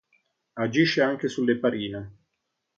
Agisce anche sull'eparina.